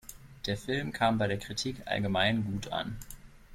Der Film kam bei der Kritik allgemein gut an.